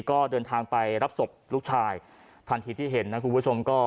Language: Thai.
ก็เดินทางไปรับศพลูกชายทันทีที่เห็นนะคุณผู้ชมก็